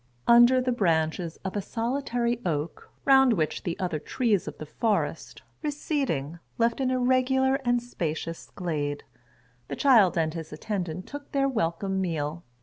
Under the branches of a solitary oak, round which the other trees of the forest, receding, left an irregular and spacious glade, the child and his attendant took their welcome meal.